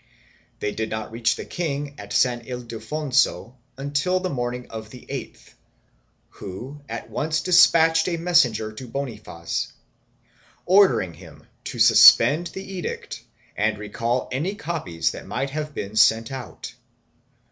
They did not reach the king at San Ildefonso until the morning of the 8th, who at once despatched a messenger to Bonifaz ordering him to suspend the edict and recall any copies that might have been sent out.